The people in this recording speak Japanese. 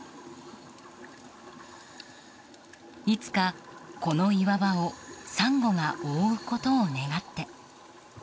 いつか、この岩場をサンゴが覆うことを願って。